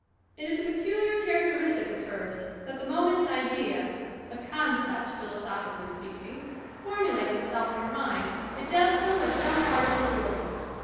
It is a peculiar characteristic of hers that the moment an idea a "concept" philosophically speaking for mulates itself in her mind it does so as some part of a story.